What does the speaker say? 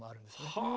はあ。